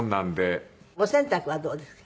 お洗濯はどうですか？